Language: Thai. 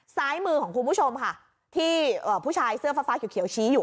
ซ้ายมือของคุณผู้ชมค่ะที่ผู้ชายเสื้อฟ้าเขียวชี้อยู่